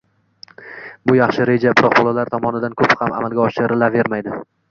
Bu yaxshi reja, biroq bolalar tomonidan ko‘p ham amalga oshirilavermaydi.